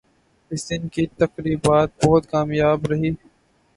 اس دن کی تقریبات بہت کامیاب رہیں